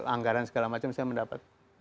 anggaran segala macam saya mendapat